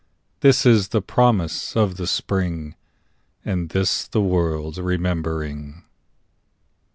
This is the promise of the Spring, And this the world's remembering.